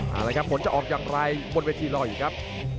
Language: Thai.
เอาละครับผลจะออกอย่างไรบนเวทีรออีกครับ